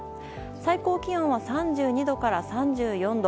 最高気温は３２度から３４度。